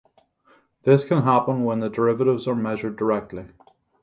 This can happen when the derivatives are measured directly.